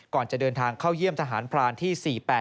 ก่อนจะเดินทางเข้าเยี่ยมทหารพรานที่๔๘